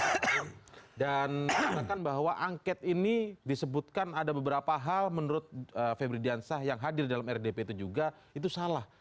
dan karena kan bahwa angket ini disebutkan ada beberapa hal menurut febri diansah yang hadir dalam rdp itu juga itu salah